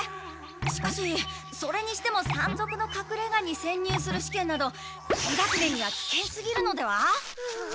しかしそれにしても山賊のかくれがに潜入する試験など低学年には危険すぎるのでは？